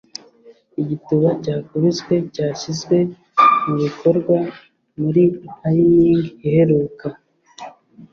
igituba cyakubiswe cyashyizwe mubikorwa muri inning iheruka